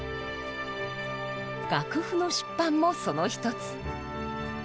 楽譜の出版もその一つ。